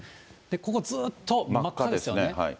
ここずっと真っ赤ですよね。